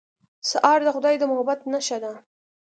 سهار د خدای د محبت نښه ده.